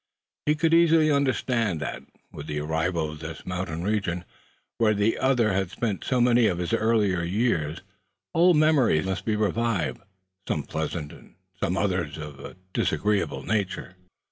He could easily understand that, with their arrival in this mountainous region, where the other had spent many of his earlier years, old memories must be revived, some pleasant, and possibly others of a disagreeable nature.